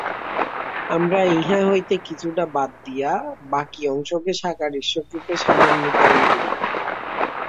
আমরা ইহা হইতে কিছুটা বাদ দিয়া বাকী অংশকে সাকার ঈশ্বররূপে সামান্যীকরণ করি।